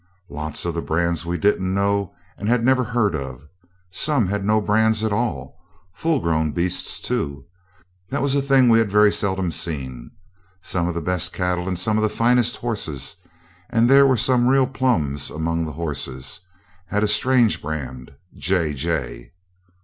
Lots of the brands we didn't know, and had never heard of. Some had no brands at all full grown beasts, too; that was a thing we had very seldom seen. Some of the best cattle and some of the finest horses and there were some real plums among the horses had a strange brand, JJ.